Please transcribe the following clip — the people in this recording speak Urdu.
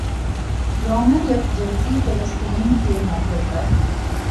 یوم یکجہتی فلسطین کے موقع پر